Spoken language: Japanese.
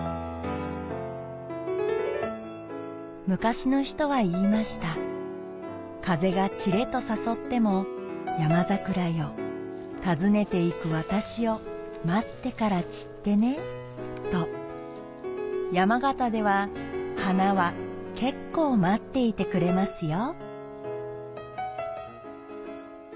昔の人は言いました「風が散れと誘っても山桜よ訪ねていく私を待ってから散ってね」と山形では花は結構待っていてくれますよ